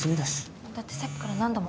だってさっきから何度も。